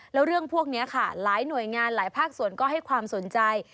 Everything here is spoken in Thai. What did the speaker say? แล้วเรื่องพวกนี้ค่ะหลายหน่วยงานหลายภาคส่วนก็ให้ความสนใจ